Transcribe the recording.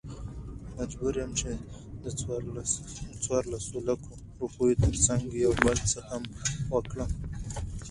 مجبور يم چې دڅورلسو لکو، روپيو ترڅنګ يو بل څه هم وکړم .